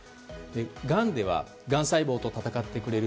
がんではがん細胞と戦ってくれる